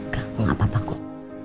gak kok gak apa apa kok